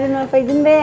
jangan lupa ya